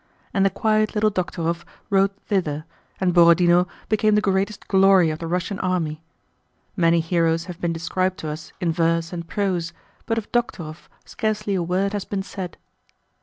And the quiet little Dokhtúrov rode thither, and Borodinó became the greatest glory of the Russian army. Many heroes have been described to us in verse and prose, but of Dokhtúrov scarcely a word has been said.